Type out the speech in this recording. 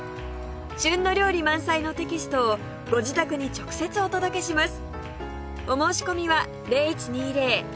旬の料理満載のテキストをご自宅に直接お届けします